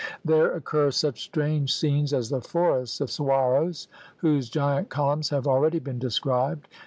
There occur such strange scenes as the "forests" of suhuaros, whose giant columns have already been described.